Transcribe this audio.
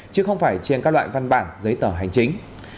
chứ không phải trên các loại văn bản giấy tờ hành chính